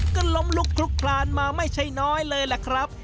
ก็ล้มลุกลุกคลานมาไม่ใช่น้อยเลยล่ะครับ